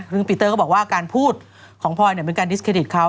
ซึ่งปีเตอร์ก็บอกว่าการพูดของพลอยเป็นการดิสเครดิตเขา